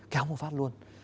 kéo một phát luôn